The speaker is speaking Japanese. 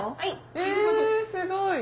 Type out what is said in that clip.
えすごい。